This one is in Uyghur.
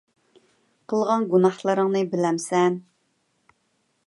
قىلغان گۇناھلىرىڭنى بىلەمسەن؟